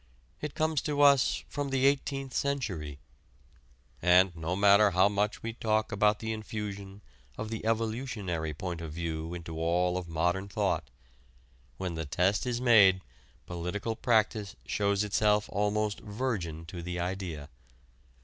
It comes to us from the Eighteenth Century. And no matter how much we talk about the infusion of the "evolutionary" point of view into all of modern thought, when the test is made political practice shows itself almost virgin to the idea.